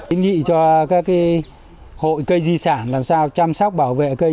chính dị cho các hội cây di sản làm sao chăm sóc bảo vệ cây